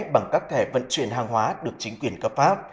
bằng các thẻ vận chuyển hàng hóa được chính quyền cấp pháp